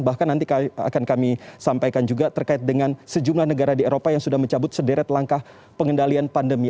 bahkan nanti akan kami sampaikan juga terkait dengan sejumlah negara di eropa yang sudah mencabut sederet langkah pengendalian pandemi